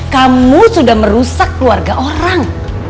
kamu sudah merusak keluarga orang